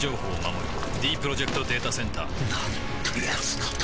ディープロジェクト・データセンターなんてやつなんだ